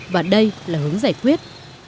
và đây là hướng giải quyết